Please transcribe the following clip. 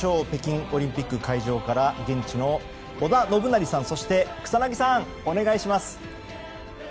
北京オリンピック会場から現地の織田信成さんそして草薙さん、お願いします。